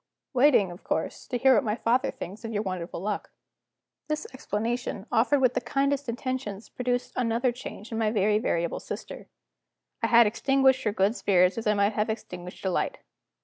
"Waiting, of course, to hear what my father thinks of your wonderful good luck." This explanation, offered with the kindest intentions, produced another change in my very variable sister. I had extinguished her good spirits as I might have extinguished a light.